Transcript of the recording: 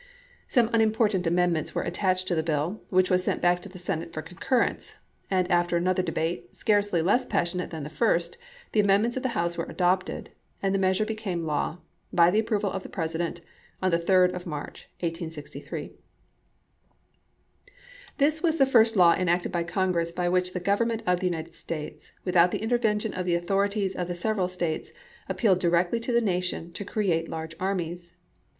Some unimportant amendments were attached to the bill, which was sent back to the Senate for concurrence, and after another debate, scarcely less passionate than the first, the amendments of the House were adopted and the measure became a law, by the approval of the President, on the 3d of March, 1863. This was the first law enacted by Congress by which the Government of the United States with out the intervention of the authorities of the sev eral States appealed directly to the nation to create large armies.